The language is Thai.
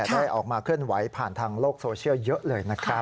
ได้ออกมาเคลื่อนไหวผ่านทางโลกโซเชียลเยอะเลยนะครับ